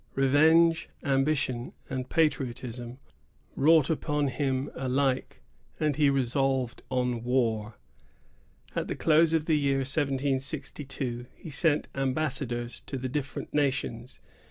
Revenge, ambition, and patriotism wrought upon him alike, and he resolved on war. At the close of the year 1762, he sent ambassadors to the different nations.